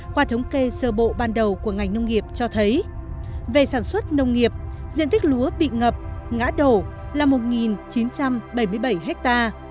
qua thống kê sơ bộ ban đầu của ngành nông nghiệp cho thấy về sản xuất nông nghiệp diện tích lúa bị ngập ngã đổ là một chín trăm bảy mươi bảy ha